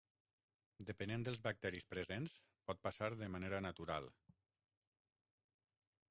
Depenent dels bacteris presents, pot passar de manera natural.